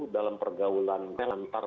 dalam pergaulan antar